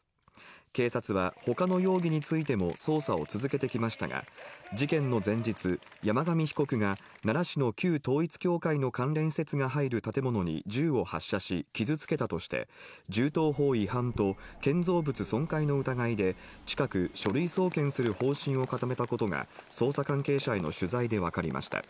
警察は、ほかの容疑についても、捜査を続けてきましたが、事件の前日、山上被告が奈良市の旧統一教会の関連施設が入る建物に銃を発射し傷つけたとして、銃刀法違反と建造物損壊の疑いで、近く、書類送検する方針を固めたことが、捜査関係者への取材で分かりました。